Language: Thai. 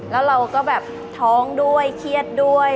แล้วเราก็แบบท้องด้วยเครียดด้วย